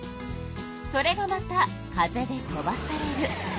それがまた風で飛ばされる。